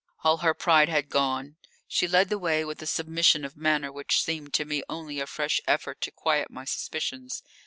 All her pride had gone; she led the way with a submission of manner which seemed to me only a fresh effort to quiet my suspicions.